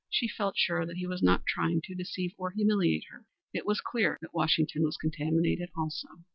She felt sure that he was not trying to deceive or humiliate her. It was clear that Washington was contaminated also.